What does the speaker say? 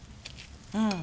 うん。